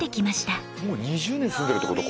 ２０年住んでるってこと？